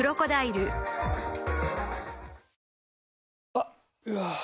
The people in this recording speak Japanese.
あっ、うわー。